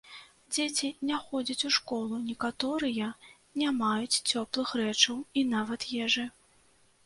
Дзеці не ходзяць у школу, некаторыя не маюць цёплых рэчаў і нават ежы.